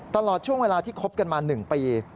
ตลอดช่วงเวลาที่คบกันมา๑ปี